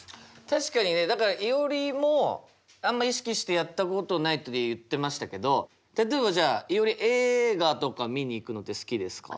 確かにねだからいおりもあんま意識してやったことないって言ってましたけど例えばじゃあいおり映画とか見に行くのって好きですか？